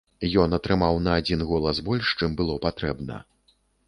Ён атрымаў на адзін голас больш, чым было патрэбна.